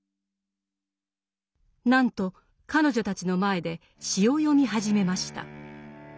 なんと彼女たちの前で詩を読み始めました。